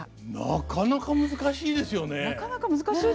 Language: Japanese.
なかなか難しいですよね。